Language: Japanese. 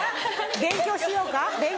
勉強しようか。